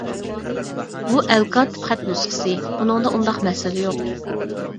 بۇ ئەلكاتىپ خەت نۇسخىسى، بۇنىڭدا ئۇنداق مەسىلە يوق.